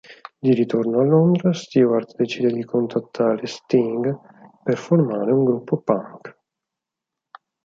Di ritorno a Londra Stewart decide di contattare Sting per formare un gruppo punk.